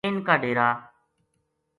ا ِنھ کا ڈیرا